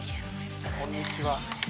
こんにちは。